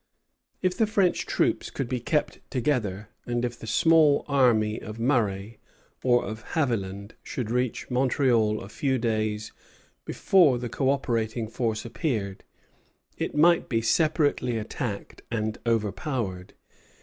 If the French troops could be kept together, and if the small army of Murray or of Haviland should reach Montreal a few days before the co operating forces appeared, it might be separately attacked and overpowered.